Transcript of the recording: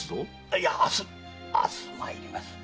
いや明日明日参ります。